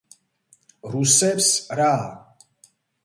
რუსებს რა?